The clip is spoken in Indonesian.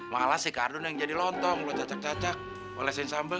malah si kardun yang jadi lontong lo cacak cacak bolesin sambal